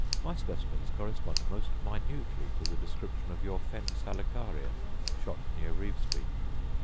My specimens correspond most minutely to the description of your fen salicaria, shot near Revesby.